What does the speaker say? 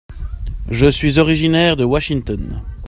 Je suis originaire de Washington.